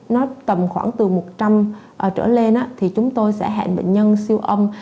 nó tầm khoảng từ một trăm linh trở lên thì chúng tôi sẽ hẹn bệnh nhân siêu âm